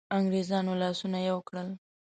انګرېزانو لاسونه یو کړل.